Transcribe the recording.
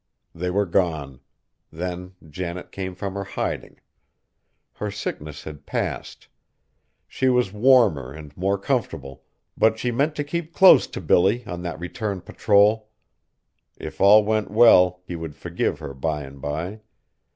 They were gone! Then Janet came from her hiding. Her sickness had passed; she was warmer and more comfortable, but she meant to keep close to Billy on that return patrol! If all went well, he would forgive her by and by.